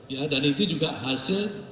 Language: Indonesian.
ya dan itu juga hasil